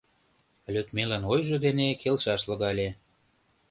Людмилан ойжо дене келшаш логале: